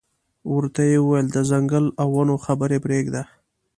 ورته یې وویل د ځنګل او ونو خبرې پرېږده.